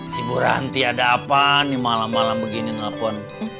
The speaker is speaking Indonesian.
si boranti ada apaan nih malam malam begini nge lepon